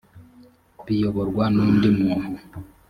biyoborwa n undi muntu